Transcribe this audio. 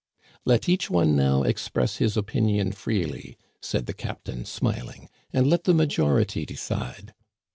Let each one now express his opinion freely," said the captain, smiling, "and let the majority decide."